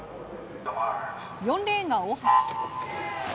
４レーンが大橋。